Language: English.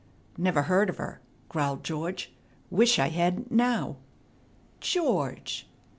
"Never heard of her," growled George. "Wish I hadn't now." "George!"